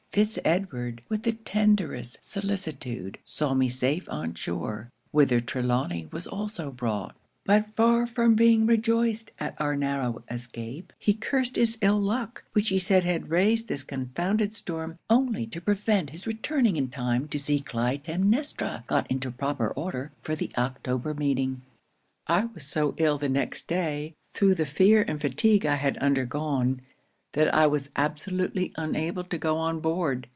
Fitz Edward, with the tenderest solicitude, saw me safe on shore, whither Trelawny was also brought. But far from being rejoiced at our narrow escape, he cursed his ill luck, which he said had raised this confounded storm only to prevent his returning in time to see Clytemnestra got into proper order for the October meeting. 'I was so ill the next day, thro' the fear and fatigue I had undergone, that I was absolutely unable to go on board.